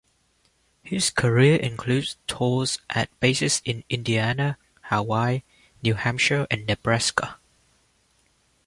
His career includes tours at bases in Indiana, Hawaii, New Hampshire, and Nebraska.